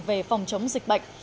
về phòng chống dịch bệnh